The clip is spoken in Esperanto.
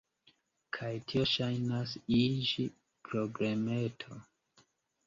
Kaj tio ŝajnas iĝi problemeto.